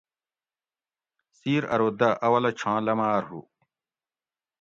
سِیر ارو دہ اولہ چھاں لٞماٞر ہُو